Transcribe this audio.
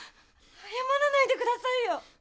謝らないで下さいよ。